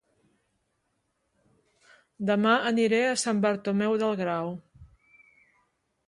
Dema aniré a Sant Bartomeu del Grau